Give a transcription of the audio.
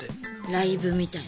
ライブみたいな？